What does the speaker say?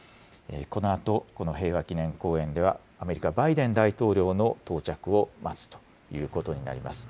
このあとこの平和きねん公園ではアメリカ、バイデン大統領の到着を待つということになります。